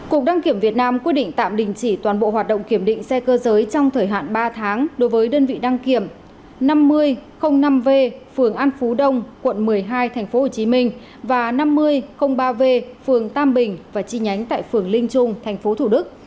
cục đăng kiểm việt nam quyết định tạm đình chỉ toàn bộ hoạt động kiểm định xe cơ giới trong thời hạn ba tháng đối với đơn vị đăng kiểm năm v phường an phú đông quận một mươi hai tp hcm và năm nghìn ba v phường tam bình và chi nhánh tại phường linh trung tp thủ đức